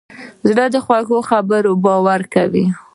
زړه د خوږې خبرې باور کوي.